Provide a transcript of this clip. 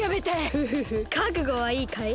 フフフかくごはいいかい？